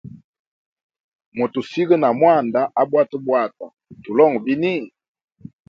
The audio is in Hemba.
Motusiga na mwanda abwatabwata, tulongwe bini?